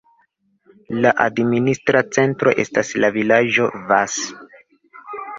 La administra centro estas la vilaĝo Vas.